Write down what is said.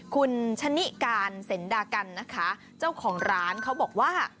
คุณชะนิการเซ็นดากันนะคะเจ้าของร้านเขาบอกว่า